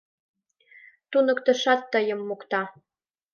Туныктышат тыйым мокта.